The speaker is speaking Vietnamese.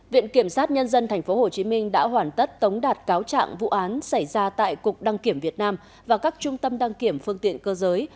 viện kiểm sát nhân dân tp hcm đã hoàn tất tống đạt cáo trạng vụ án xảy ra tại cục đăng kiểm việt nam và các trung tâm đăng kiểm phương tiện cơ giới